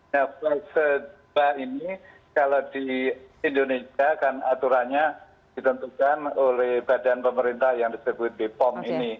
nah fase dua ini kalau di indonesia kan aturannya ditentukan oleh badan pemerintah yang disebut bepom ini